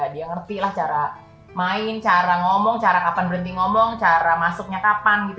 dia ngerti lah cara main cara ngomong cara kapan berhenti ngomong cara masuknya kapan gitu